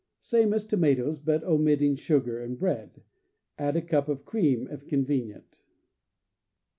— Same as tomatoes, but omitting sugar and bread. Add a cup of cream, if convenient.